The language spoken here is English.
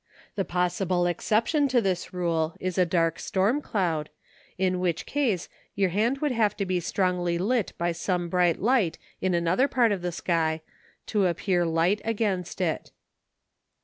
The possible exception to this rule is a dark storm cloud, in which case your hand would have to be strongly lit by some bright light in another part of the sky to appear light against it.